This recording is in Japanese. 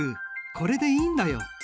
これでいいんだよ。